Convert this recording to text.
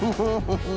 フフフフ。